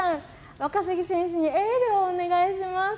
若杉選手にエールをお願いします。